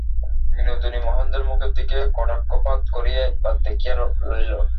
বিনোদিনী মহেন্দ্রের মুখের দিকে কটাক্ষপাত করিয়া একবার দেখিয়া লইল।